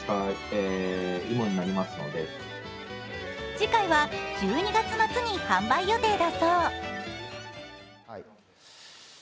次回は１２月末に販売予定だそう。